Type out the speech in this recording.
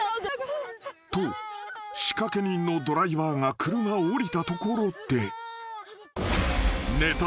［と仕掛け人のドライバーが車を降りたところで］